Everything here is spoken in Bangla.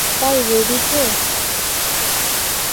ভাই রেডি তো?